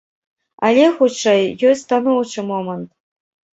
Але, хутчэй, ёсць станоўчы момант.